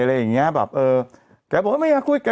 อะไรอย่างเนี้ยแบบเออ